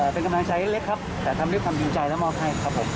เป็นกำลังใจเล็กครับแต่ทำด้วยความดีใจและมอบให้ครับผม